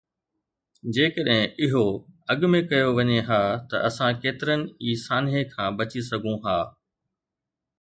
جيڪڏهن اهو اڳ ۾ ڪيو وڃي ها ته اسان ڪيترن ئي سانحي کان بچي سگهون ها.